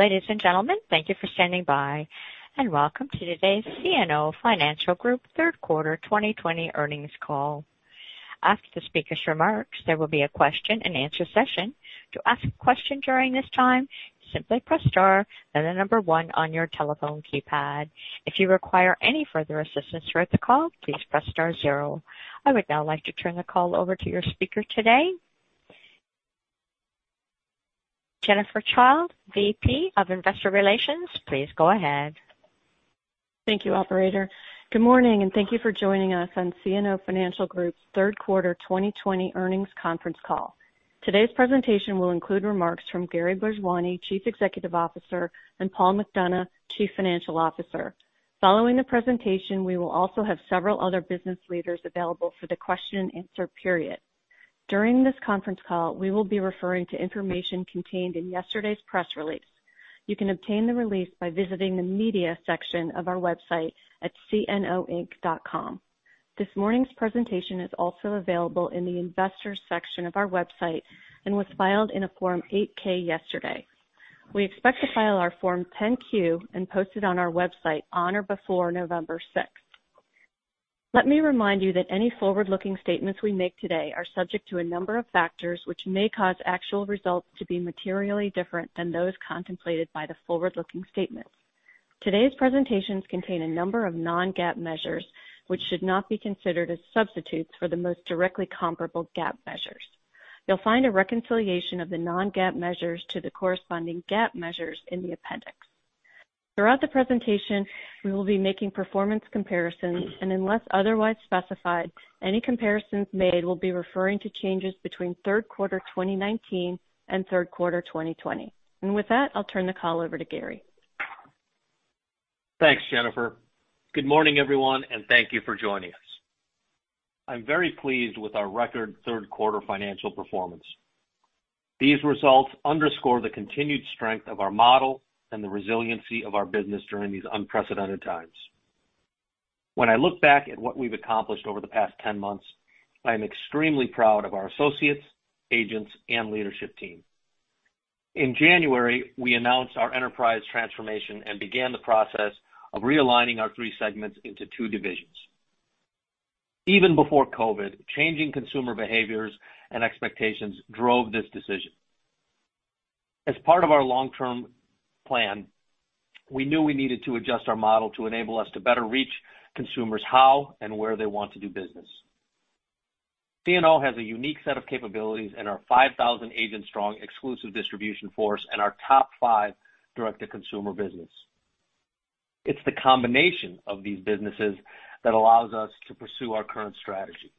Ladies and gentlemen, thank you for standing by, and welcome to today's CNO Financial Group third quarter 2020 earnings call. After the speaker's remarks, there will be a question and answer session. To ask a question during this time, simply press star, then the number one on your telephone keypad. If you require any further assistance throughout the call, please press star zero. I would now like to turn the call over to your speaker today, Jennifer Childe, VP of Investor Relations. Please go ahead. Thank you, operator. Good morning, and thank you for joining us on CNO Financial Group's third quarter 2020 earnings conference call. Today's presentation will include remarks from Gary Bhojwani, Chief Executive Officer, and Paul McDonough, Chief Financial Officer. Following the presentation, we will also have several other business leaders available for the question and answer period. During this conference call, we will be referring to information contained in yesterday's press release. You can obtain the release by visiting the media section of our website at cnoinc.com. This morning's presentation is also available in the investors section of our website and was filed in a Form 8-K yesterday. We expect to file our Form 10-Q and post it on our website on or before November 6th. Let me remind you that any forward-looking statements we make today are subject to a number of factors which may cause actual results to be materially different than those contemplated by the forward-looking statements. Today's presentations contain a number of non-GAAP measures which should not be considered as substitutes for the most directly comparable GAAP measures. You'll find a reconciliation of the non-GAAP measures to the corresponding GAAP measures in the appendix. Throughout the presentation, we will be making performance comparisons, and unless otherwise specified, any comparisons made will be referring to changes between third quarter 2019 and third quarter 2020. And with that, I'll turn the call over to Gary. Thanks, Jennifer. Good morning, everyone, and thank you for joining us. I'm very pleased with our record third quarter financial performance. These results underscore the continued strength of our model and the resiliency of our business during these unprecedented times. When I look back at what we've accomplished over the past 10 months, I am extremely proud of our associates, agents, and leadership team. In January, we announced our enterprise transformation and began the process of realigning our three segments into two divisions. Even before COVID, changing consumer behaviors and expectations drove this decision. As part of our long-term plan, we knew we needed to adjust our model to enable us to better reach consumers how and where they want to do business. CNO has a unique set of capabilities in our 5,000 agent strong exclusive distribution force and our top five direct-to-consumer business. It's the combination of these businesses that allows us to pursue our current strategy.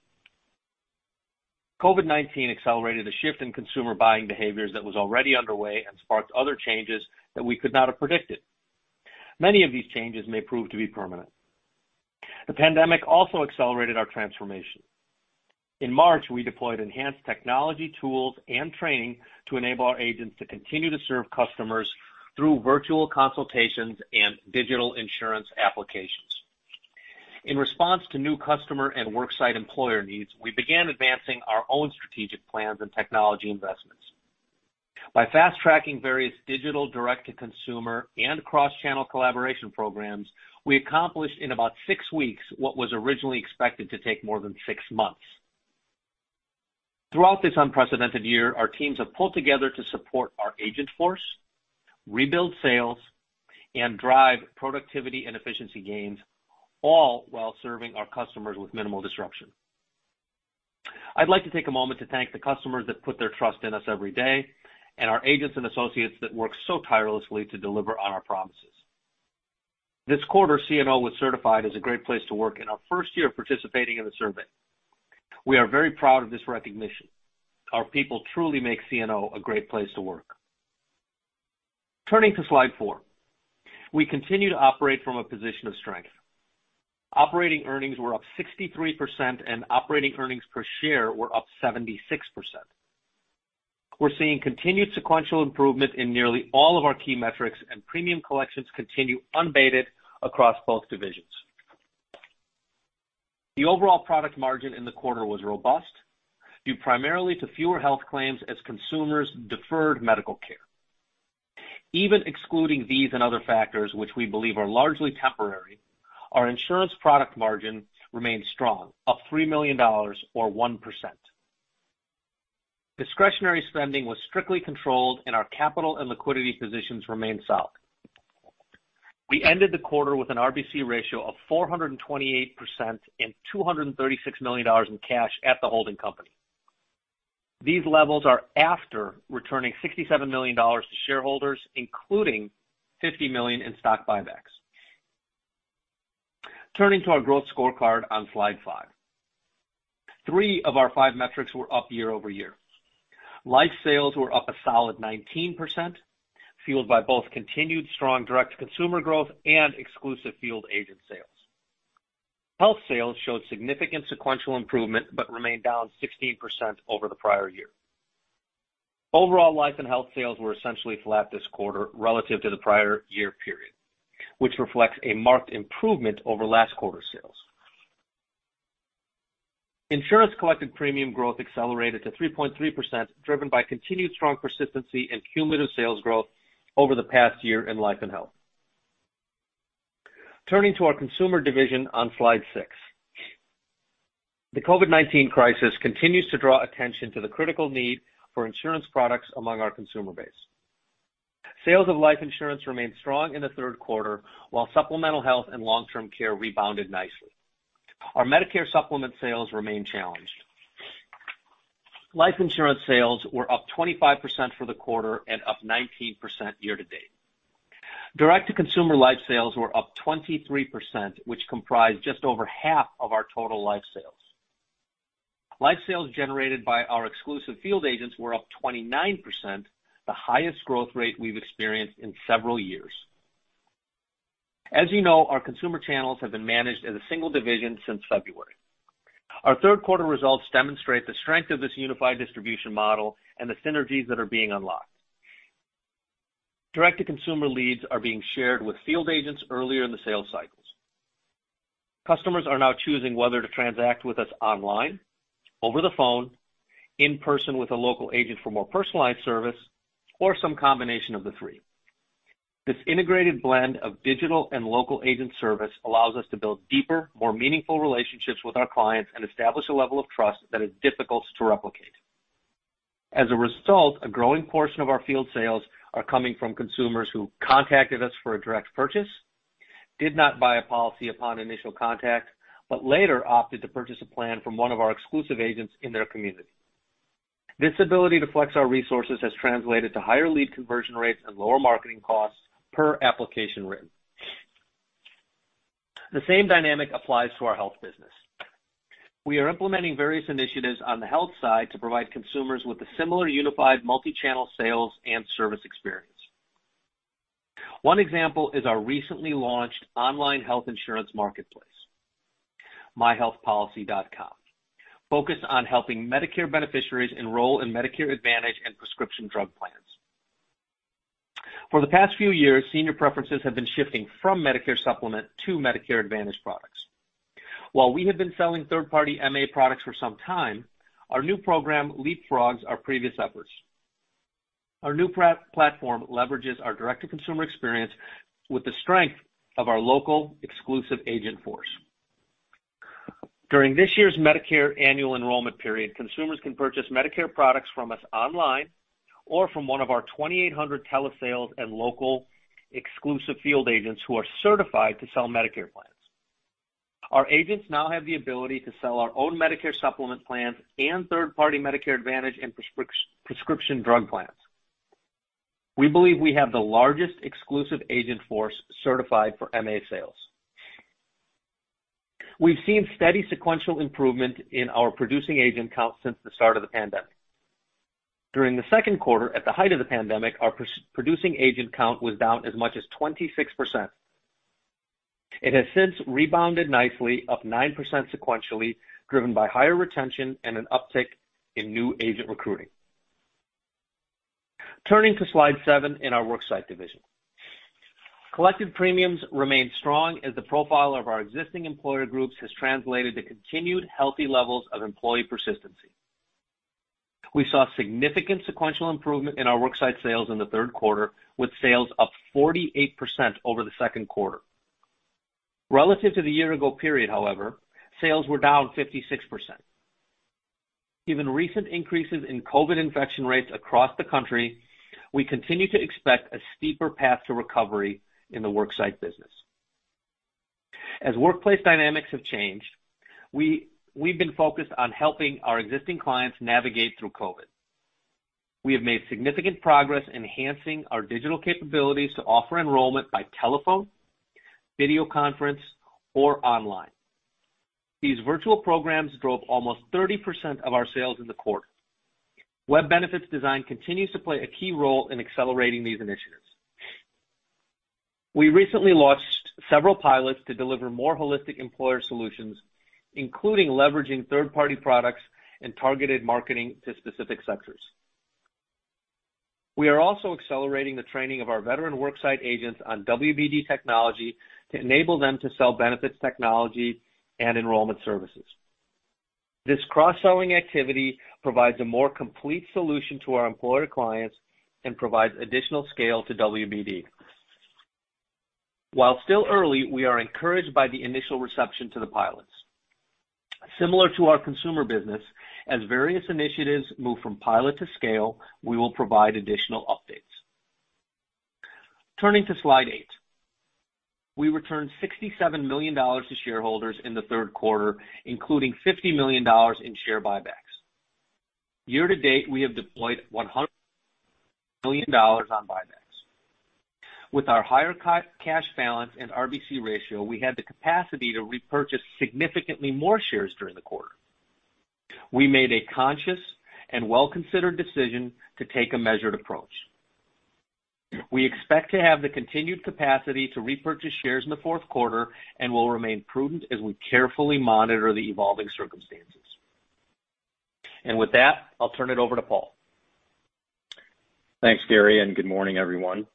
COVID-19 accelerated a shift in consumer buying behaviors that was already underway and sparked other changes that we could not have predicted. Many of these changes may prove to be permanent. The pandemic also accelerated our transformation. In March, we deployed enhanced technology tools and training to enable our agents to continue to serve customers through virtual consultations and digital insurance applications. In response to new customer and worksite employer needs, we began advancing our own strategic plans and technology investments. By fast-tracking various digital direct-to-consumer and cross-channel collaboration programs, we accomplished in about six weeks what was originally expected to take more than six months. Throughout this unprecedented year, our teams have pulled together to support our agent force, rebuild sales, and drive productivity and efficiency gains, all while serving our customers with minimal disruption. I'd like to take a moment to thank the customers that put their trust in us every day and our agents and associates that work so tirelessly to deliver on our promises. This quarter, CNO was certified as a great place to work in our first year of participating in the survey. We are very proud of this recognition. Our people truly make CNO a great place to work. Turning to slide four. We continue to operate from a position of strength. Operating earnings were up 63%, and operating earnings per share were up 76%. We're seeing continued sequential improvement in nearly all of our key metrics, and premium collections continue unabated across both divisions. The overall product margin in the quarter was robust, due primarily to fewer health claims as consumers deferred medical care. Even excluding these and other factors, which we believe are largely temporary, our insurance product margin remains strong, up $3 million or 1%. Discretionary spending was strictly controlled and our capital and liquidity positions remain solid. We ended the quarter with an RBC ratio of 428% and $236 million in cash at the holding company. These levels are after returning $67 million to shareholders, including $50 million in stock buybacks. Turning to our growth scorecard on slide five. Three of our five metrics were up year-over-year. Life sales were up a solid 19%, fueled by both continued strong direct-to-consumer growth and exclusive field agent sales. Health sales showed significant sequential improvement but remained down 16% over the prior year. Overall, life and health sales were essentially flat this quarter relative to the prior year period, which reflects a marked improvement over last quarter's sales. Insurance collected premium growth accelerated to 3.3%, driven by continued strong persistency and cumulative sales growth over the past year in life and health. Turning to our consumer division on slide six. The COVID-19 crisis continues to draw attention to the critical need for insurance products among our consumer base. Sales of life insurance remained strong in the third quarter, while supplemental health and long-term care rebounded nicely. Our Medicare Supplement sales remain challenged. Life insurance sales were up 25% for the quarter and up 19% year to date. Direct to consumer life sales were up 23%, which comprised just over half of our total life sales. Life sales generated by our exclusive field agents were up 29%, the highest growth rate we've experienced in several years. As you know, our consumer channels have been managed as a single division since February. Our third quarter results demonstrate the strength of this unified distribution model and the synergies that are being unlocked. Direct to consumer leads are being shared with field agents earlier in the sales cycles. Customers are now choosing whether to transact with us online, over the phone, in person with a local agent for more personalized service or some combination of the three. This integrated blend of digital and local agent service allows us to build deeper, more meaningful relationships with our clients and establish a level of trust that is difficult to replicate. As a result, a growing portion of our field sales are coming from consumers who contacted us for a direct purchase, did not buy a policy upon initial contact, but later opted to purchase a plan from one of our exclusive agents in their community. This ability to flex our resources has translated to higher lead conversion rates and lower marketing costs per application written. The same dynamic applies to our health business. We are implementing various initiatives on the health side to provide consumers with a similar unified multi-channel sales and service experience. One example is our recently launched online health insurance marketplace, myhealthpolicy.com, focused on helping Medicare beneficiaries enroll in Medicare Advantage and prescription drug plans. For the past few years, senior preferences have been shifting from Medicare Supplement to Medicare Advantage products. While we have been selling third party MA products for some time, our new program leapfrogs our previous efforts. Our new platform leverages our direct to consumer experience with the strength of our local exclusive agent force. During this year's Medicare annual enrollment period, consumers can purchase Medicare products from us online or from one of our 2,800 telesales and local exclusive field agents who are certified to sell Medicare plans. Our agents now have the ability to sell our own Medicare Supplement plans and third party Medicare Advantage and prescription drug plans. We believe we have the largest exclusive agent force certified for MA sales. We've seen steady sequential improvement in our producing agent count since the start of the pandemic. During the second quarter, at the height of the pandemic, our producing agent count was down as much as 26%. It has since rebounded nicely, up 9% sequentially, driven by higher retention and an uptick in new agent recruiting. Turning to slide seven in our worksite division. Collected premiums remained strong as the profile of our existing employer groups has translated to continued healthy levels of employee persistency. We saw significant sequential improvement in our worksite sales in the third quarter, with sales up 48% over the second quarter. Relative to the year ago period, however, sales were down 56%. Given recent increases in COVID infection rates across the country, we continue to expect a steeper path to recovery in the worksite business. As workplace dynamics have changed, we've been focused on helping our existing clients navigate through COVID. We have made significant progress enhancing our digital capabilities to offer enrollment by telephone, video conference or online. These virtual programs drove almost 30% of our sales in the quarter. Web Benefits Design continues to play a key role in accelerating these initiatives. We recently launched several pilots to deliver more holistic employer solutions, including leveraging third party products and targeted marketing to specific sectors. We are also accelerating the training of our veteran worksite agents on WBD technology to enable them to sell benefits technology and enrollment services. This cross-selling activity provides a more complete solution to our employer clients and provides additional scale to WBD. While still early, we are encouraged by the initial reception to the pilots. Similar to our consumer business, as various initiatives move from pilot to scale, we will provide additional updates. Turning to slide eight. We returned $67 million to shareholders in the third quarter, including $50 million in share buybacks. Year to date, we have deployed $100 million on buybacks. With our higher cash balance and RBC ratio, we had the capacity to repurchase significantly more shares during the quarter. We made a conscious and well-considered decision to take a measured approach. We expect to have the continued capacity to repurchase shares in the fourth quarter and will remain prudent as we carefully monitor the evolving circumstances. With that, I'll turn it over to Paul. Thanks, Gary, good morning, everyone.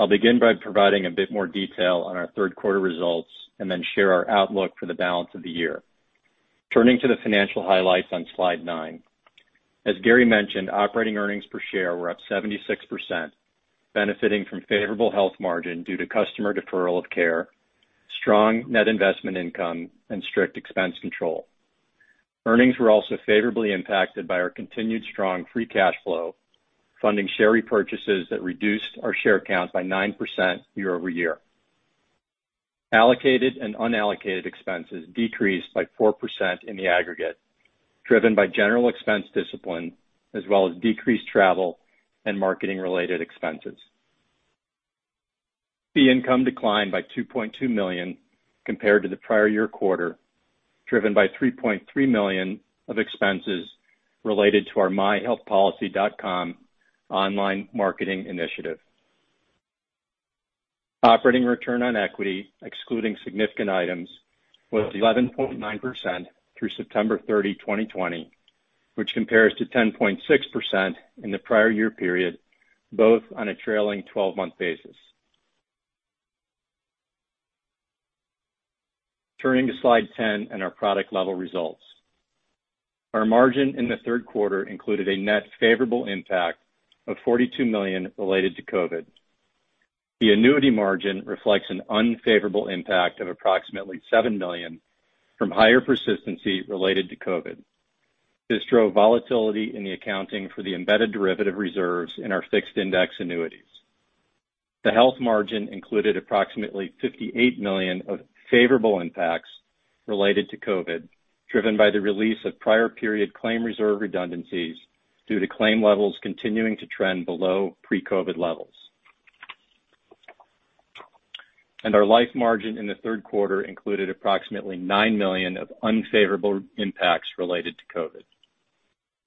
I'll begin by providing a bit more detail on our third quarter results and then share our outlook for the balance of the year. Turning to the financial highlights on slide nine. As Gary mentioned, operating earnings per share were up 76%, benefiting from favorable health margin due to customer deferral of care, strong net investment income, and strict expense control. Earnings were also favorably impacted by our continued strong free cash flow, funding share repurchases that reduced our share count by 9% year-over-year. Allocated and unallocated expenses decreased by 4% in the aggregate, driven by general expense discipline as well as decreased travel and marketing-related expenses. Fee income declined by $2.2 million compared to the prior year quarter, driven by $3.3 million of expenses related to our myhealthpolicy.com online marketing initiative. Operating return on equity, excluding significant items, was 11.9% through September 30, 2020, which compares to 10.6% in the prior year period, both on a trailing 12-month basis. Turning to slide 10 and our product level results. Our margin in the third quarter included a net favorable impact of $42 million related to COVID. The annuity margin reflects an unfavorable impact of approximately $7 million from higher persistency related to COVID. This drove volatility in the accounting for the embedded derivative reserves in our fixed index annuities. The health margin included approximately $58 million of favorable impacts related to COVID, driven by the release of prior period claim reserve redundancies due to claim levels continuing to trend below pre-COVID levels. Our life margin in the third quarter included approximately $9 million of unfavorable impacts related to COVID.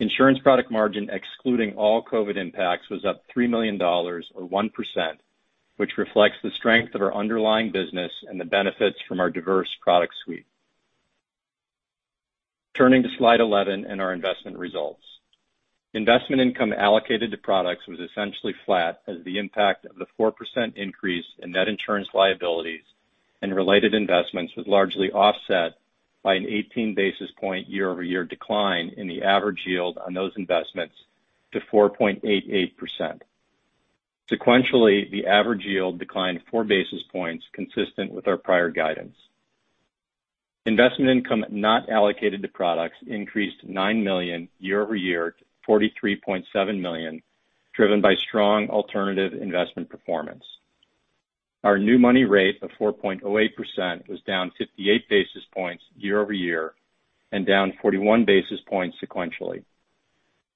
Insurance product margin, excluding all COVID impacts, was up $3 million, or 1%, which reflects the strength of our underlying business and the benefits from our diverse product suite. Turning to slide 11 and our investment results. Investment income allocated to products was essentially flat as the impact of the 4% increase in net insurance liabilities and related investments was largely offset by an 18 basis point year-over-year decline in the average yield on those investments to 4.88%. Sequentially, the average yield declined four basis points consistent with our prior guidance. Investment income not allocated to products increased to $9 million year-over-year to $43.7 million, driven by strong alternative investment performance. Our new money rate of 4.08% was down 58 basis points year-over-year and down 41 basis points sequentially.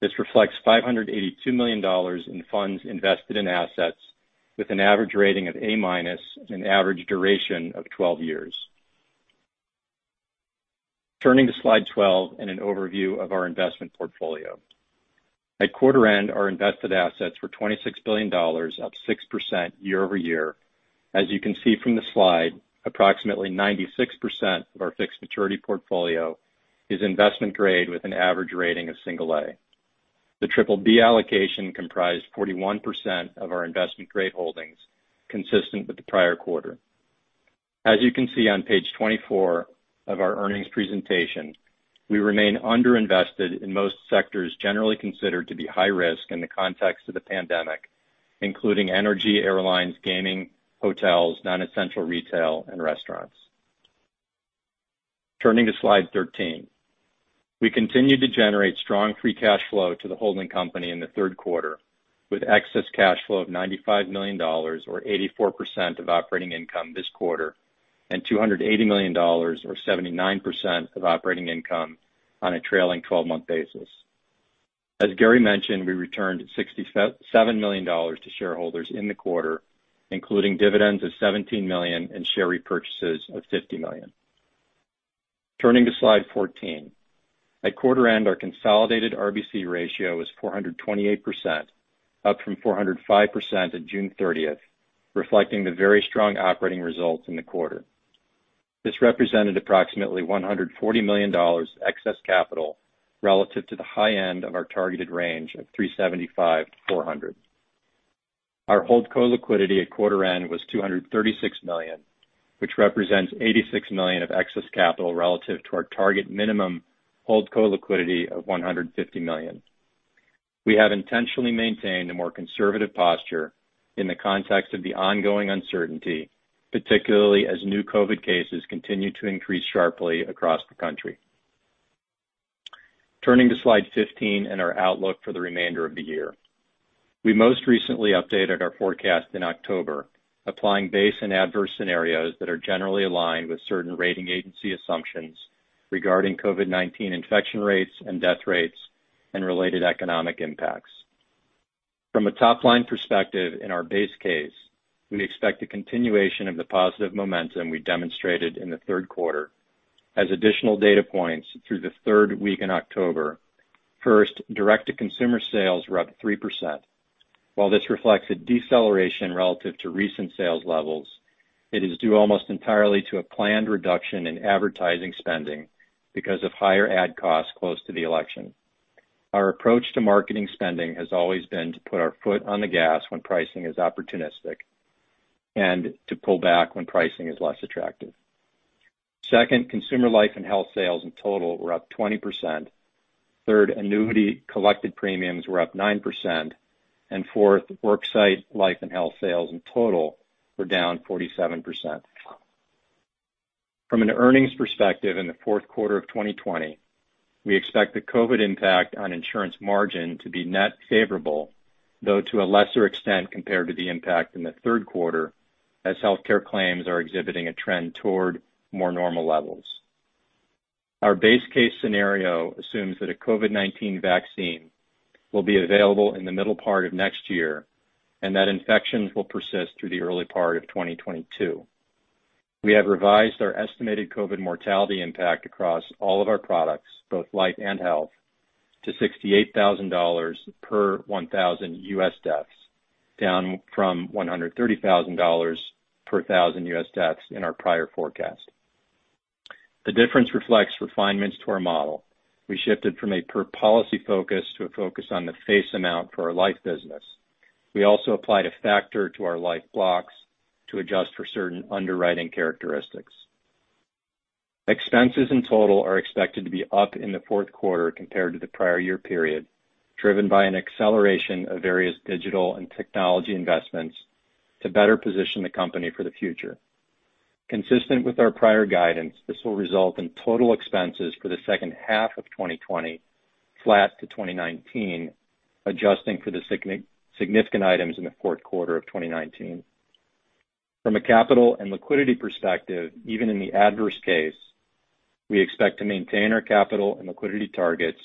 This reflects $582 million in funds invested in assets with an average rating of A- and average duration of 12 years. Turning to slide 12 and an overview of our investment portfolio. At quarter end, our invested assets were $26 billion, up 6% year-over-year. As you can see from the slide, approximately 96% of our fixed maturity portfolio is investment grade with an average rating of A. The BBB allocation comprised 41% of our investment grade holdings, consistent with the prior quarter. As you can see on page 24 of our earnings presentation, we remain underinvested in most sectors generally considered to be high risk in the context of the pandemic, including energy, airlines, gaming, hotels, non-essential retail, and restaurants. Turning to slide 13. We continued to generate strong free cash flow to the holding company in the third quarter, with excess cash flow of $95 million, or 84% of operating income this quarter, and $280 million, or 79% of operating income on a trailing 12-month basis. As Gary mentioned, we returned $67 million to shareholders in the quarter, including dividends of $17 million and share repurchases of $50 million. Turning to slide 14. At quarter end, our consolidated RBC ratio was 428%, up from 405% at June 30th, reflecting the very strong operating results in the quarter. This represented approximately $140 million excess capital relative to the high end of our targeted range of 375%-400%. Our holdco liquidity at quarter end was $236 million, which represents $86 million of excess capital relative to our target minimum holdco liquidity of $150 million. We have intentionally maintained a more conservative posture in the context of the ongoing uncertainty, particularly as new COVID cases continue to increase sharply across the country. Turning to slide 15 and our outlook for the remainder of the year. We most recently updated our forecast in October, applying base and adverse scenarios that are generally aligned with certain rating agency assumptions regarding COVID-19 infection rates and death rates and related economic impacts. From a top-line perspective in our base case, we expect a continuation of the positive momentum we demonstrated in the third quarter as additional data points through the third week in October. First, direct-to-consumer sales were up 3%. While this reflects a deceleration relative to recent sales levels, it is due almost entirely to a planned reduction in advertising spending because of higher ad costs close to the election. Our approach to marketing spending has always been to put our foot on the gas when pricing is opportunistic and to pull back when pricing is less attractive. Second, consumer life and health sales in total were up 20%. Third, annuity collected premiums were up 9%. Fourth, worksite life and health sales in total were down 47%. From an earnings perspective in the fourth quarter of 2020, we expect the COVID impact on insurance margin to be net favorable, though to a lesser extent compared to the impact in the third quarter, as healthcare claims are exhibiting a trend toward more normal levels. Our base case scenario assumes that a COVID-19 vaccine will be available in the middle part of next year, and that infections will persist through the early part of 2022. We have revised our estimated COVID mortality impact across all of our products, both life and health, to $68,000 per 1,000 U.S. deaths, down from $130,000 per 1,000 U.S. deaths in our prior forecast. The difference reflects refinements to our model. We shifted from a per policy focus to a focus on the face amount for our life business. We also applied a factor to our life blocks to adjust for certain underwriting characteristics. Expenses in total are expected to be up in the fourth quarter compared to the prior year period, driven by an acceleration of various digital and technology investments to better position the company for the future. Consistent with our prior guidance, this will result in total expenses for the second half of 2020 flat to 2019, adjusting for the significant items in the fourth quarter of 2019. From a capital and liquidity perspective, even in the adverse case, we expect to maintain our capital and liquidity targets,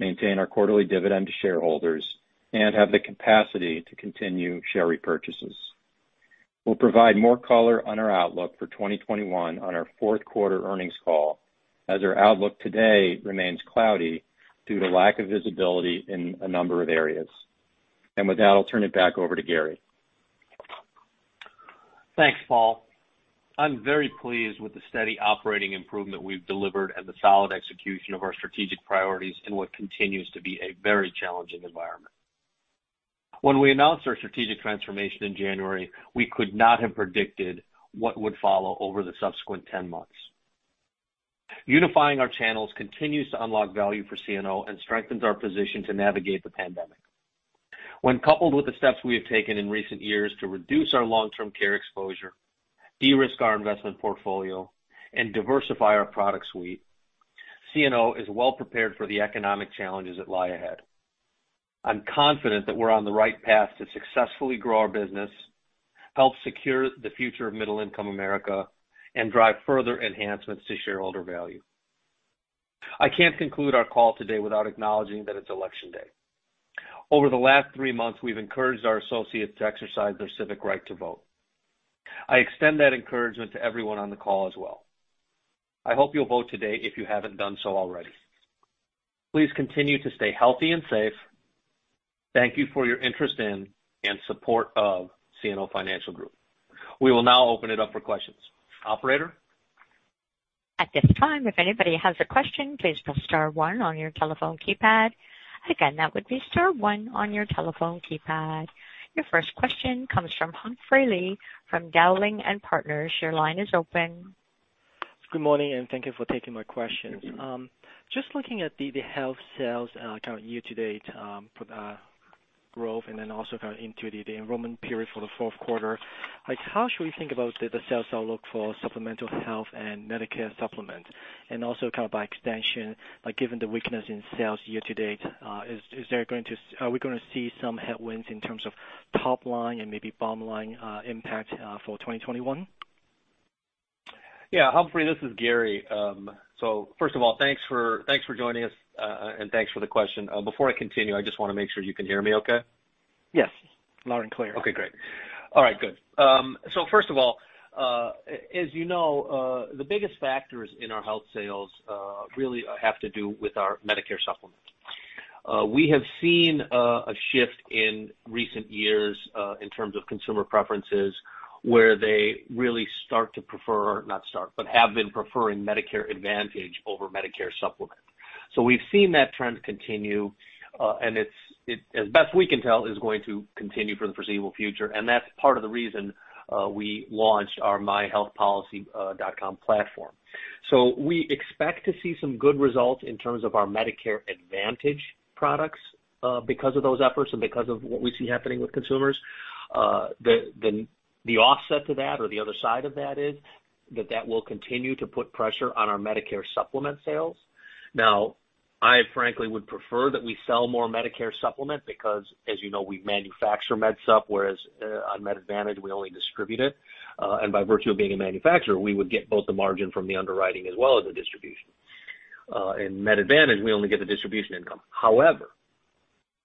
maintain our quarterly dividend to shareholders, and have the capacity to continue share repurchases. We'll provide more color on our outlook for 2021 on our fourth quarter earnings call, as our outlook today remains cloudy due to lack of visibility in a number of areas. With that, I'll turn it back over to Gary. Thanks, Paul. I'm very pleased with the steady operating improvement we've delivered and the solid execution of our strategic priorities in what continues to be a very challenging environment. When we announced our strategic transformation in January, we could not have predicted what would follow over the subsequent 10 months. Unifying our channels continues to unlock value for CNO and strengthens our position to navigate the pandemic. When coupled with the steps we have taken in recent years to reduce our long-term care exposure, de-risk our investment portfolio, and diversify our product suite, CNO is well prepared for the economic challenges that lie ahead. I'm confident that we're on the right path to successfully grow our business, help secure the future of middle-income America, and drive further enhancements to shareholder value. I can't conclude our call today without acknowledging that it's election day. Over the last three months, we've encouraged our associates to exercise their civic right to vote. I extend that encouragement to everyone on the call as well. I hope you'll vote today if you haven't done so already. Please continue to stay healthy and safe. Thank you for your interest in and support of CNO Financial Group. We will now open it up for questions. Operator? At this time, if anybody has a question, please press star one on your telephone keypad. Again, that would be star one on your telephone keypad. Your first question comes from Humphrey Lee from Dowling & Partners. Your line is open. Good morning, and thank you for taking my questions. Just looking at the health sales kind of year to date for the growth, and then also kind of into the enrollment period for the fourth quarter. How should we think about the sales outlook for supplemental health and Medicare Supplement? Also kind of by extension, given the weakness in sales year to date, are we going to see some headwinds in terms of top line and maybe bottom line impact for 2021? Yeah, Humphrey, this is Gary. First of all, thanks for joining us, and thanks for the question. Before I continue, I just want to make sure you can hear me okay. Yes. Loud and clear. Okay, great. All right, good. First of all, as you know, the biggest factors in our health sales really have to do with our Medicare Supplement. We have seen a shift in recent years in terms of consumer preferences, where they really start to prefer, not start, but have been preferring Medicare Advantage over Medicare Supplement. We've seen that trend continue, and as best we can tell, is going to continue for the foreseeable future, and that's part of the reason we launched our myHealthPolicy.com platform. We expect to see some good results in terms of our Medicare Advantage products because of those efforts and because of what we see happening with consumers. The offset to that or the other side of that is that that will continue to put pressure on our Medicare Supplement sales. Now, I frankly would prefer that we sell more Medicare Supplement because, as you know, we manufacture Medicare Supplement, whereas on Medicare Advantage, we only distribute it. By virtue of being a manufacturer, we would get both the margin from the underwriting as well as the distribution. In Medicare Advantage, we only get the distribution income. However,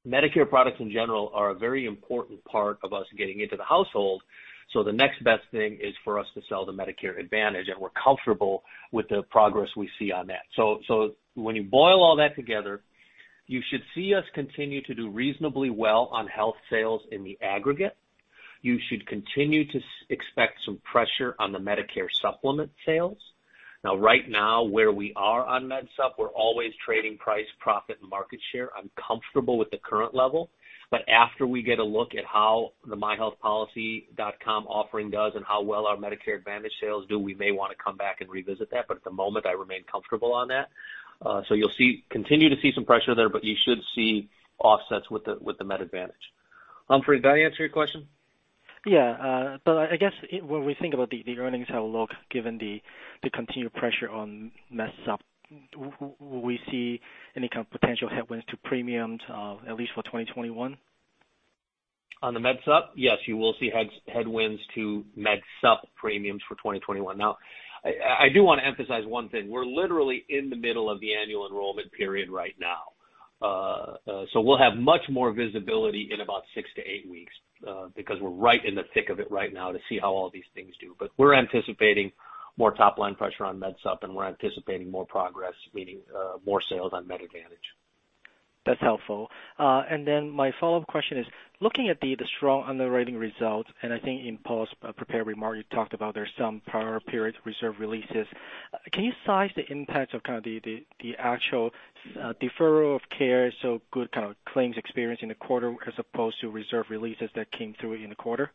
Medicare products in general are a very important part of us getting into the household. The next best thing is for us to sell the Medicare Advantage, and we're comfortable with the progress we see on that. When you boil all that together You should see us continue to do reasonably well on health sales in the aggregate. You should continue to expect some pressure on the Medicare Supplement sales. Now, right now, where we are on Medicare Supplement, we're always trading price, profit, and market share. I'm comfortable with the current level. After we get a look at how the myHealthPolicy.com offering does and how well our Medicare Advantage sales do, we may want to come back and revisit that. At the moment, I remain comfortable on that. You'll continue to see some pressure there, but you should see offsets with the Medicare Advantage. Humphrey, did I answer your question? Yeah. I guess when we think about the earnings outlook, given the continued pressure on Medicare Supplement, will we see any kind of potential headwinds to premiums, at least for 2021? On the Medicare Supplement? Yes, you will see headwinds to Medicare Supplement premiums for 2021. I do want to emphasize one thing. We're literally in the middle of the annual enrollment period right now. We'll have much more visibility in about six to eight weeks, because we're right in the thick of it right now to see how all these things do. We're anticipating more top-line pressure on Medicare Supplement, and we're anticipating more progress, meaning more sales on Medicare Advantage. That's helpful. My follow-up question is, looking at the strong underwriting results, I think in Paul's prepared remark, you talked about there's some prior period reserve releases. Can you size the impact of the actual deferral of care, so good kind of claims experience in the quarter as opposed to reserve releases that came through in the quarter?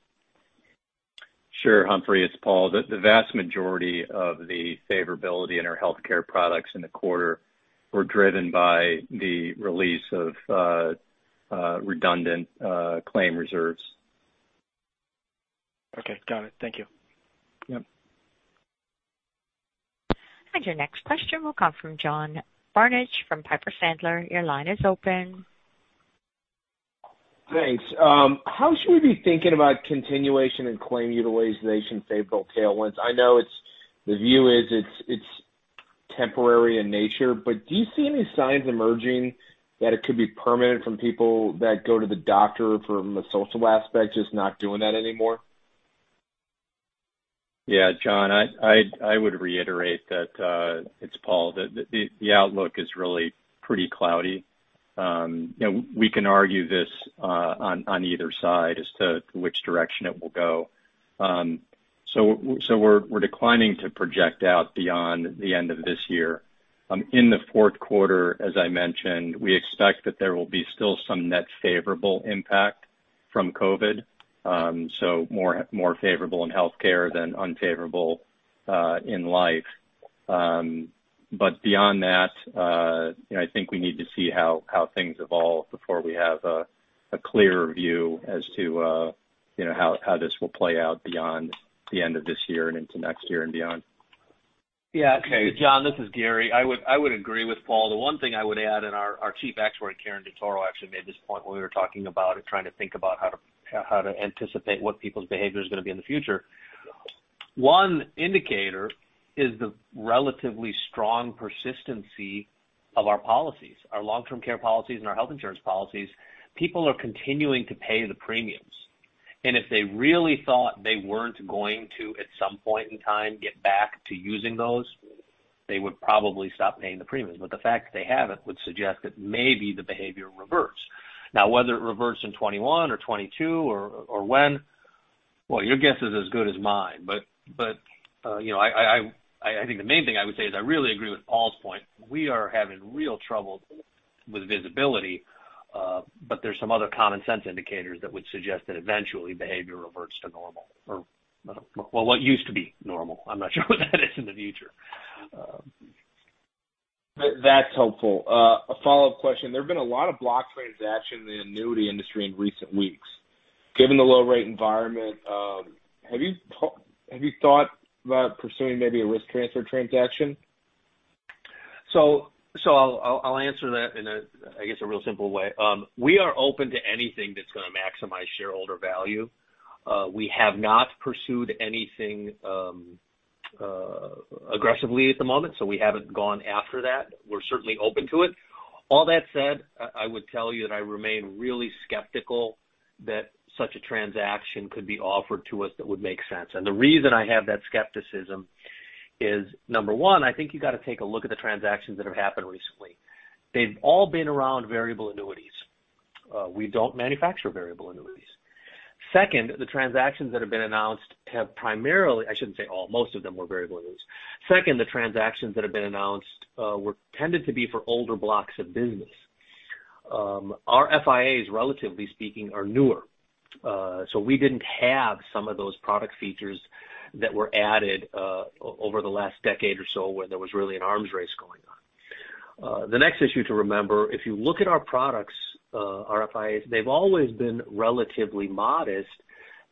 Sure, Humphrey, it's Paul. The vast majority of the favorability in our healthcare products in the quarter were driven by the release of redundant claim reserves. Okay, got it. Thank you. Yep. Your next question will come from John Barnidge from Piper Sandler. Your line is open. Thanks. How should we be thinking about continuation in claim utilization favorable tailwinds? I know the view is it's temporary in nature, but do you see any signs emerging that it could be permanent from people that go to the doctor from a social aspect, just not doing that anymore? Yeah, John, I would reiterate that, it's Paul, the outlook is really pretty cloudy. We can argue this on either side as to which direction it will go. We're declining to project out beyond the end of this year. In the fourth quarter, as I mentioned, we expect that there will be still some net favorable impact from COVID, so more favorable in healthcare than unfavorable in life. Beyond that, I think we need to see how things evolve before we have a clearer view as to how this will play out beyond the end of this year and into next year and beyond. Yeah. John, this is Gary. I would agree with Paul. The one thing I would add, and our Chief Actuary, Karen DeToro, actually made this point when we were talking about it, trying to think about how to anticipate what people's behavior is going to be in the future. One indicator is the relatively strong persistency of our policies, our long-term care policies, and our health insurance policies. People are continuing to pay the premiums. If they really thought they weren't going to, at some point in time, get back to using those, they would probably stop paying the premiums. The fact that they haven't would suggest that maybe the behavior reverts. Now, whether it reverts in 2021 or 2022 or when, well, your guess is as good as mine. I think the main thing I would say is I really agree with Paul's point. We are having real trouble with visibility, there's some other common sense indicators that would suggest that eventually behavior reverts to normal or, well, what used to be normal. I'm not sure what that is in the future. That's helpful. A follow-up question. There have been a lot of block transactions in the annuity industry in recent weeks. Given the low rate environment, have you thought about pursuing maybe a risk transfer transaction? I'll answer that in, I guess, a real simple way. We are open to anything that's going to maximize shareholder value. We have not pursued anything aggressively at the moment, so we haven't gone after that. We're certainly open to it. All that said, I would tell you that I remain really skeptical that such a transaction could be offered to us that would make sense. The reason I have that skepticism is, number one, I think you got to take a look at the transactions that have happened recently. They've all been around variable annuities. We don't manufacture variable annuities. Second, the transactions that have been announced have primarily, I shouldn't say all, most of them were variable annuities. Second, the transactions that have been announced tended to be for older blocks of business. Our FIAs, relatively speaking, are newer. We didn't have some of those product features that were added over the last decade or so when there was really an arms race going on. The next issue to remember, if you look at our products, our FIAs, they've always been relatively modest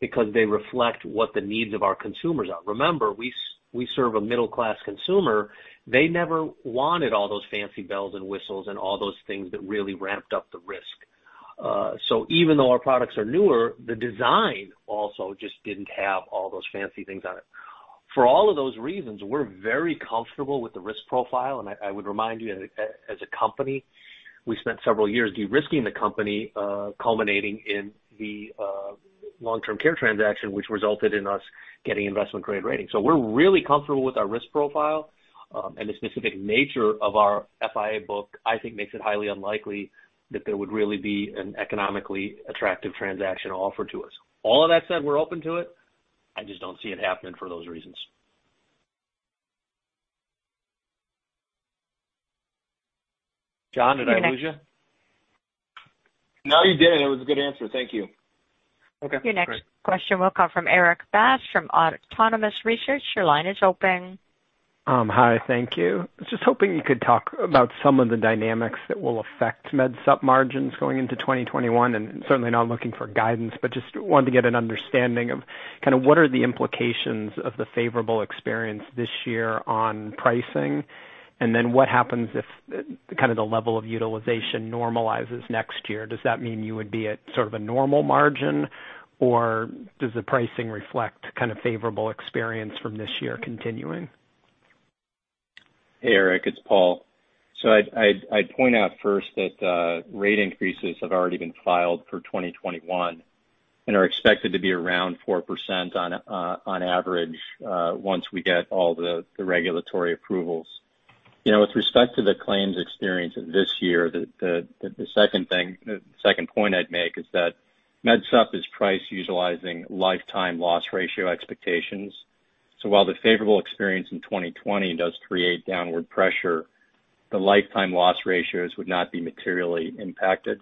because they reflect what the needs of our consumers are. Remember, we serve a middle-class consumer. They never wanted all those fancy bells and whistles and all those things that really ramped up the risk. Even though our products are newer, the design also just didn't have all those fancy things on it. For all of those reasons, we're very comfortable with the risk profile, and I would remind you, as a company, we spent several years de-risking the company, culminating in the Long-term Care Transaction, which resulted in us getting investment-grade rating. We're really comfortable with our risk profile, and the specific nature of our FIA book, I think makes it highly unlikely that there would really be an economically attractive transaction offered to us. All of that said, we're open to it. I just don't see it happening for those reasons. John, did I lose you? No, you didn't. It was a good answer. Thank you. Okay, great. Your next question will come from Erik Bass of Autonomous Research. Your line is open. Hi, thank you. I was just hoping you could talk about some of the dynamics that will affect Medicare Supplement margins going into 2021, certainly not looking for guidance, but just wanted to get an understanding of what are the implications of the favorable experience this year on pricing, then what happens if the level of utilization normalizes next year? Does that mean you would be at sort of a normal margin, or does the pricing reflect kind of favorable experience from this year continuing? Hey, Erik, it's Paul. I'd point out first that rate increases have already been filed for 2021 and are expected to be around 4% on average once we get all the regulatory approvals. With respect to the claims experience this year, the second point I'd make is that Medicare Supplement is price utilizing lifetime loss ratio expectations. While the favorable experience in 2020 does create downward pressure, the lifetime loss ratios would not be materially impacted.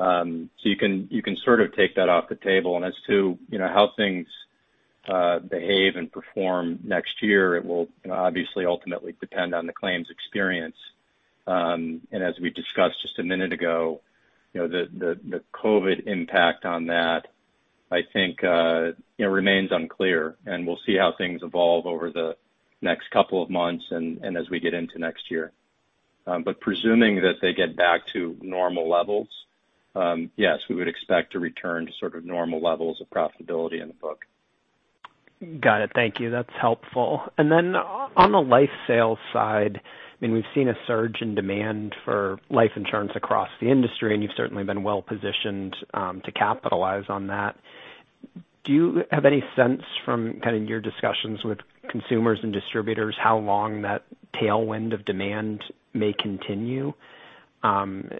You can sort of take that off the table. As to how things behave and perform next year, it will obviously ultimately depend on the claims experience. As we discussed just a minute ago, the COVID impact on that, I think, remains unclear. We'll see how things evolve over the next couple of months and as we get into next year. Presuming that they get back to normal levels, yes, we would expect to return to sort of normal levels of profitability in the book. Got it. Thank you. That's helpful. Then on the life sales side, we've seen a surge in demand for life insurance across the industry, and you've certainly been well-positioned to capitalize on that. Do you have any sense from kind of your discussions with consumers and distributors how long that tailwind of demand may continue? I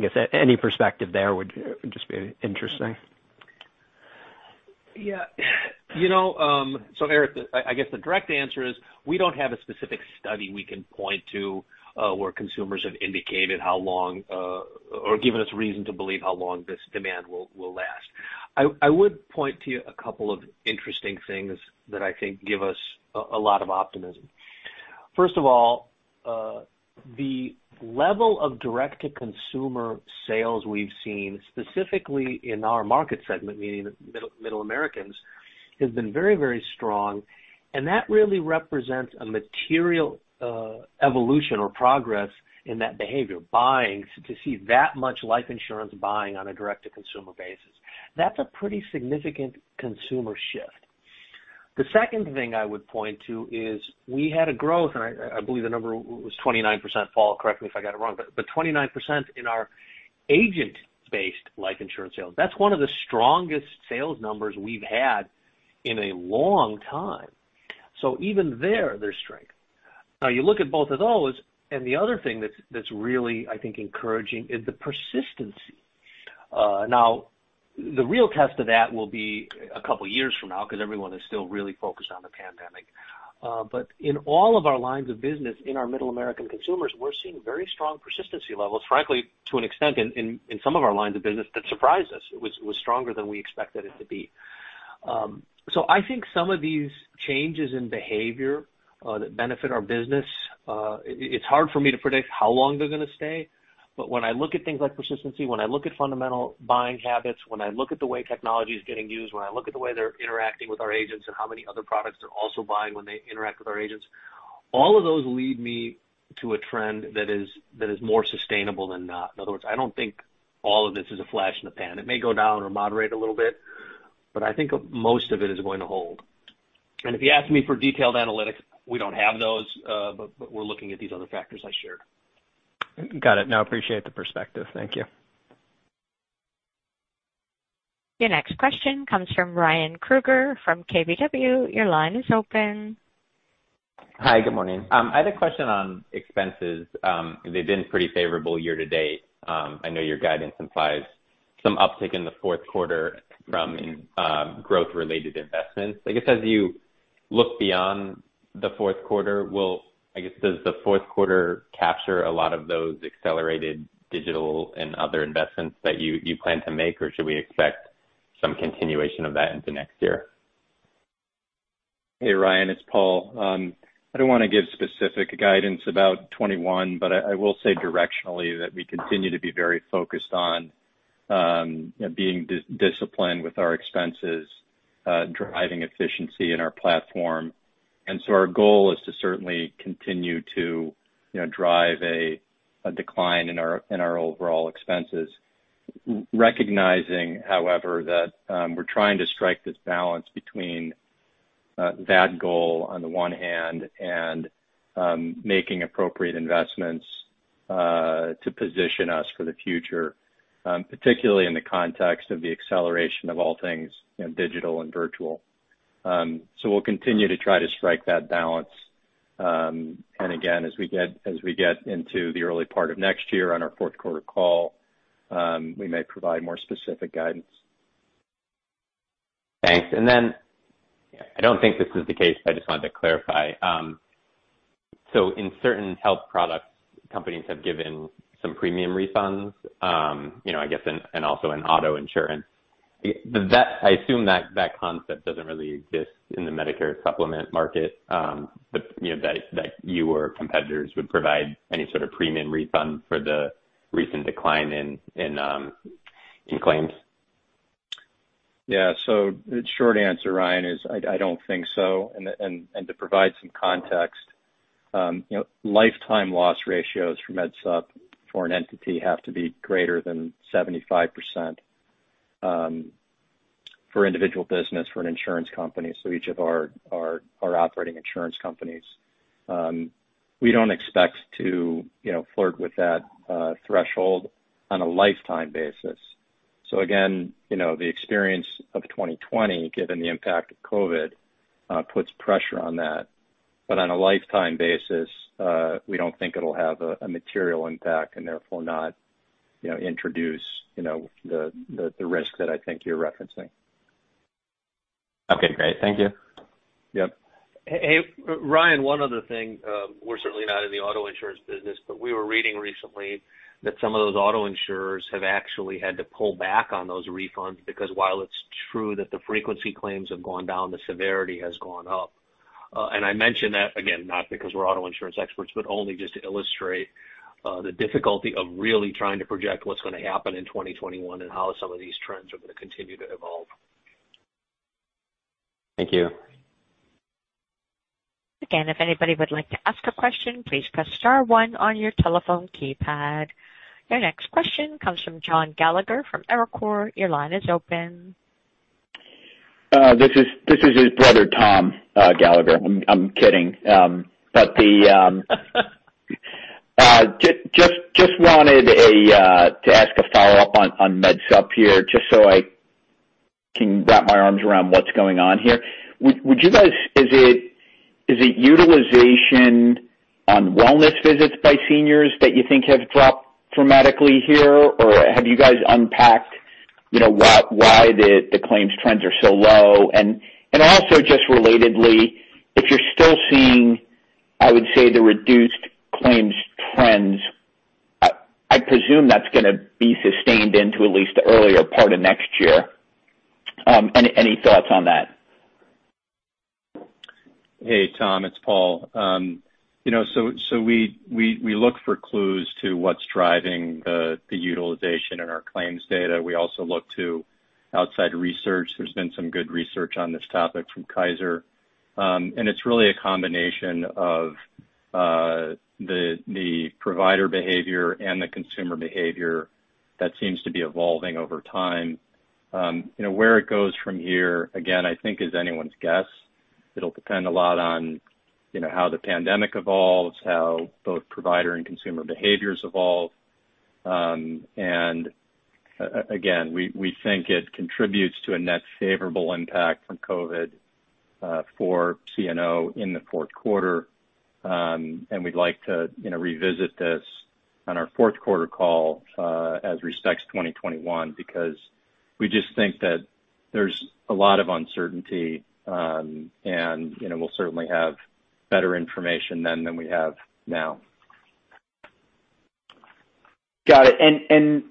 guess any perspective there would just be interesting. Yeah. Erik, I guess the direct answer is we don't have a specific study we can point to where consumers have indicated how long or given us reason to believe how long this demand will last. I would point to a couple of interesting things that I think give us a lot of optimism. First of all, the level of direct-to-consumer sales we've seen specifically in our market segment, meaning middle Americans, has been very, very strong, and that really represents a material evolution or progress in that behavior, to see that much life insurance buying on a direct-to-consumer basis. That's a pretty significant consumer shift. The second thing I would point to is we had a growth, and I believe the number was 29%, Paul, correct me if I got it wrong, 29% in our agent-based life insurance sales. That's one of the strongest sales numbers we've had in a long time. Even there's strength. You look at both of those, and the other thing that's really, I think, encouraging is the persistency. The real test of that will be a couple of years from now because everyone is still really focused on the pandemic. In all of our lines of business in our middle American consumers, we're seeing very strong persistency levels, frankly, to an extent in some of our lines of business that surprised us. It was stronger than we expected it to be. I think some of these changes in behavior that benefit our business, it's hard for me to predict how long they're going to stay. When I look at things like persistency, when I look at fundamental buying habits, when I look at the way technology is getting used, when I look at the way they're interacting with our agents and how many other products they're also buying when they interact with our agents, all of those lead me to a trend that is more sustainable than not. In other words, I don't think all of this is a flash in the pan. It may go down or moderate a little bit, but I think most of it is going to hold. If you ask me for detailed analytics, we don't have those, but we're looking at these other factors I shared. Got it. No, appreciate the perspective. Thank you. Your next question comes from Ryan Krueger from KBW. Your line is open. Hi, good morning. I had a question on expenses. They've been pretty favorable year to date. I know your guidance implies some uptick in the fourth quarter from growth-related investments. I guess, as you look beyond the fourth quarter, I guess, does the fourth quarter capture a lot of those accelerated digital and other investments that you plan to make, or should we expect some continuation of that into next year? Hey, Ryan, it's Paul. I don't want to give specific guidance about 2021, I will say directionally that we continue to be very focused on being disciplined with our expenses, driving efficiency in our platform. Our goal is to certainly continue to drive a decline in our overall expenses. Recognizing, however, that we're trying to strike this balance between that goal on the one hand, and making appropriate investments to position us for the future, particularly in the context of the acceleration of all things digital and virtual. We'll continue to try to strike that balance. Again, as we get into the early part of next year on our fourth quarter call, we may provide more specific guidance. Thanks. I don't think this is the case, I just wanted to clarify. In certain health products, companies have given some premium refunds, I guess, and also in auto insurance. I assume that concept doesn't really exist in the Medicare Supplement market, that you or competitors would provide any sort of premium refund for the recent decline in claims. Yeah. The short answer, Ryan, is I don't think so. To provide some context, lifetime loss ratios for MedSup for an entity have to be greater than 75% for individual business for an insurance company, so each of our operating insurance companies. We don't expect to flirt with that threshold on a lifetime basis. Again, the experience of 2020, given the impact of COVID, puts pressure on that. On a lifetime basis, we don't think it'll have a material impact and therefore not introduce the risk that I think you're referencing. Okay, great. Thank you. Yep. Hey, Ryan, one other thing. We're certainly not in the auto insurance business. We were reading recently that some of those auto insurers have actually had to pull back on those refunds because while it's true that the frequency claims have gone down, the severity has gone up. I mention that, again, not because we're auto insurance experts, but only just to illustrate the difficulty of really trying to project what's going to happen in 2021 and how some of these trends are going to continue to evolve. Thank you. Again, if anybody would like to ask a question, please press star one on your telephone keypad. Your next question comes from John Nadel from Evercore. Your line is open. This is his brother, Thomas Gallagher. I'm kidding. Wanted to ask a follow-up on MedSup here, just so I can wrap my arms around what's going on here. Is it utilization on wellness visits by seniors that you think have dropped dramatically here? Have you guys unpacked why the claims trends are so low? Also just relatedly, if you're still seeing, I would say, the reduced claims trends, I presume that's going to be sustained into at least the earlier part of next year. Any thoughts on that? Hey, Tom, it's Paul. We look for clues to what's driving the utilization in our claims data. We also look to outside research. There's been some good research on this topic from Kaiser. It's really a combination of the provider behavior and the consumer behavior that seems to be evolving over time. Where it goes from here, again, I think is anyone's guess. It'll depend a lot on how the pandemic evolves, how both provider and consumer behaviors evolve. Again, we think it contributes to a net favorable impact from COVID for CNO in the fourth quarter. We'd like to revisit this on our fourth quarter call as respects 2021, because we just think that there's a lot of uncertainty, and we'll certainly have better information then than we have now. Got it.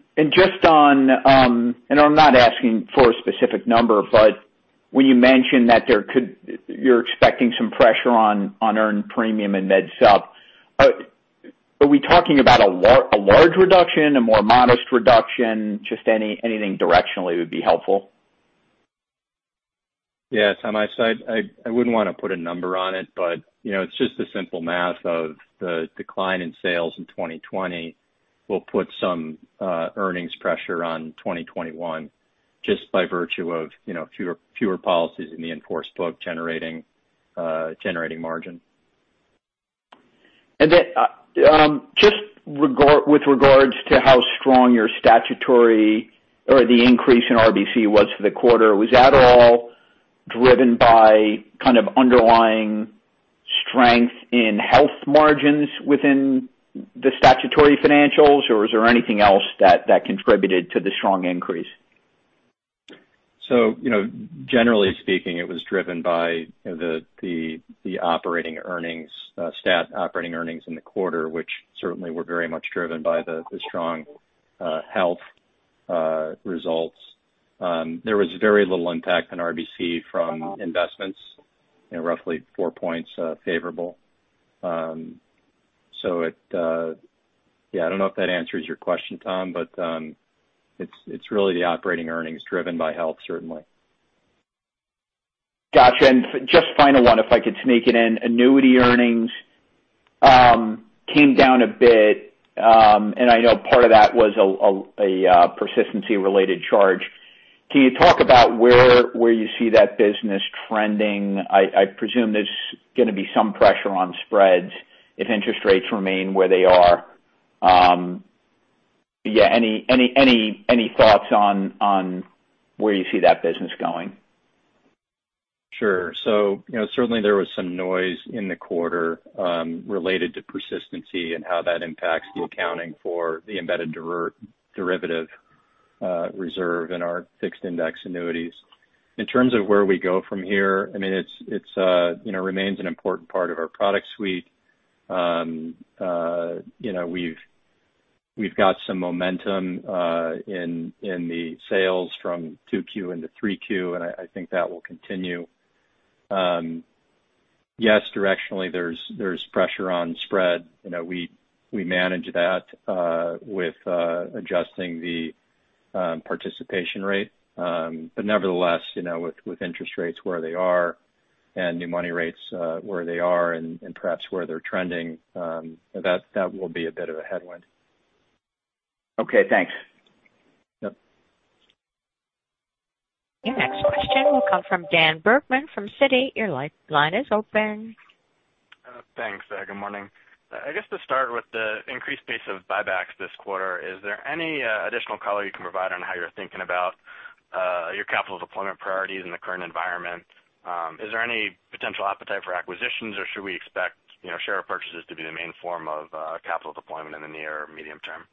I'm not asking for a specific number, but when you mention that you're expecting some pressure on earned premium and MedSup, are we talking about a large reduction, a more modest reduction? Just anything directionally would be helpful. Yeah. Tom, I wouldn't want to put a number on it, but it's just the simple math of the decline in sales in 2020 will put some earnings pressure on 2021 just by virtue of fewer policies in the in-force book generating margin. Just with regards to how strong your statutory or the increase in RBC was for the quarter, was that at all driven by kind of underlying strength in health margins within the statutory financials? Was there anything else that contributed to the strong increase? Generally speaking, it was driven by the operating earnings, stat operating earnings in the quarter, which certainly were very much driven by the strong health results. There was very little impact on RBC from investments, roughly four points favorable. I do not know if that answers your question, Tom, but it is really the operating earnings driven by health, certainly. Gotcha. Just final one, if I could sneak it in. Annuity earnings came down a bit, and I know part of that was a persistency-related charge. Can you talk about where you see that business trending? I presume there is going to be some pressure on spreads if interest rates remain where they are. Any thoughts on where you see that business going? Sure. Certainly there was some noise in the quarter related to persistency and how that impacts the accounting for the embedded derivative reserve in our fixed index annuities. In terms of where we go from here, it remains an important part of our product suite. We have got some momentum in the sales from 2Q into 3Q, and I think that will continue. Yes, directionally, there is pressure on spread. We manage that with adjusting the participation rate. Nevertheless, with interest rates where they are and new money rates where they are and perhaps where they are trending, that will be a bit of a headwind. Okay, thanks. Yep. Your next question will come from Daniel Bergman from Citi. Your line is open. Thanks. Good morning. I guess to start with the increased pace of buybacks this quarter, is there any additional color you can provide on how you're thinking about your capital deployment priorities in the current environment? Is there any potential appetite for acquisitions, or should we expect share purchases to be the main form of capital deployment in the near or medium term?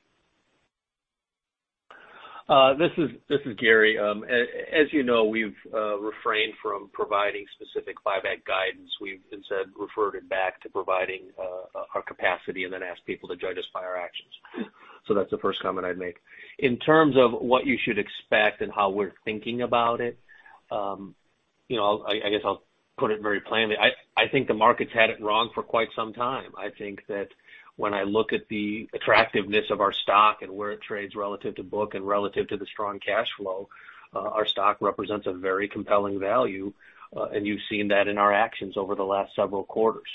This is Gary. As you know, we've refrained from providing specific buyback guidance. We've instead referred it back to providing our capacity and then asked people to judge us by our actions. That's the first comment I'd make. In terms of what you should expect and how we're thinking about it, I guess I'll put it very plainly. I think the market's had it wrong for quite some time. I think that when I look at the attractiveness of our stock and where it trades relative to book and relative to the strong cash flow, our stock represents a very compelling value. You've seen that in our actions over the last several quarters.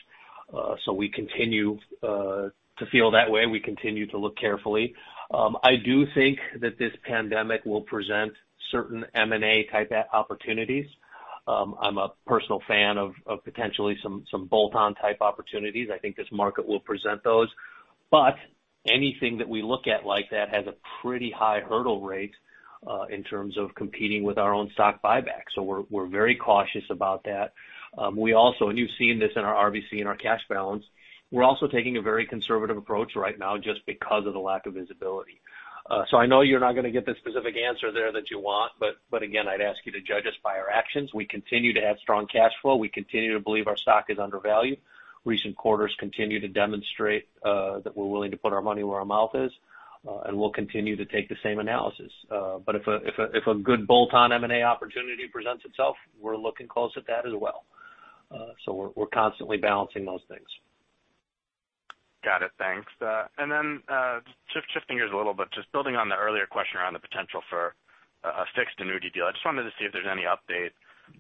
We continue to feel that way. We continue to look carefully. I do think that this pandemic will present certain M&A type opportunities. I'm a personal fan of potentially some bolt-on type opportunities. I think this market will present those. Anything that we look at like that has a pretty high hurdle rate in terms of competing with our own stock buyback, so we're very cautious about that. We also, you've seen this in our RBC and our cash balance, we're also taking a very conservative approach right now just because of the lack of visibility. I know you're not going to get the specific answer there that you want, but again, I'd ask you to judge us by our actions. We continue to have strong cash flow. We continue to believe our stock is undervalued. Recent quarters continue to demonstrate that we're willing to put our money where our mouth is, we'll continue to take the same analysis. If a good bolt-on M&A opportunity presents itself, we're looking close at that as well. We're constantly balancing those things. Got it. Thanks. Then, just shifting gears a little bit, just building on the earlier question around the potential for a fixed annuity deal. I just wanted to see if there's any update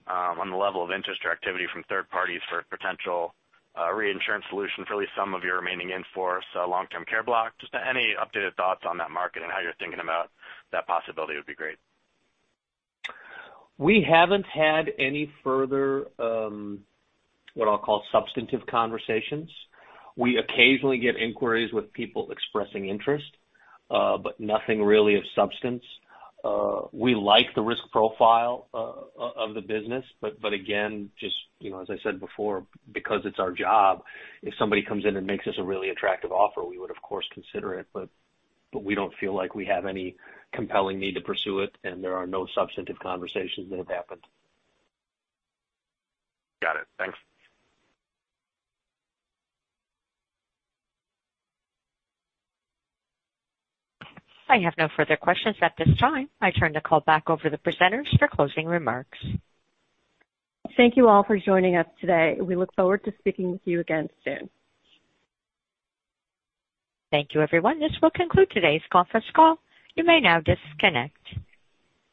on the level of interest or activity from third parties for potential reinsurance solutions for at least some of your remaining in-force long-term care block. Just any updated thoughts on that market and how you're thinking about that possibility would be great. We haven't had any further, what I'll call substantive conversations. We occasionally get inquiries with people expressing interest, but nothing really of substance. We like the risk profile of the business, but again, just as I said before, because it's our job, if somebody comes in and makes us a really attractive offer, we would of course consider it, but we don't feel like we have any compelling need to pursue it, and there are no substantive conversations that have happened. Got it. Thanks. I have no further questions at this time. I turn the call back over the presenters for closing remarks. Thank you all for joining us today. We look forward to speaking with you again soon. Thank you, everyone. This will conclude today's conference call. You may now disconnect.